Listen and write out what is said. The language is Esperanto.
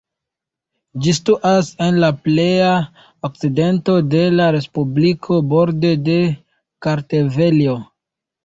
Ĝi situas en la pleja okcidento de la respubliko, borde de Kartvelio.